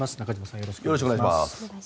よろしくお願いします。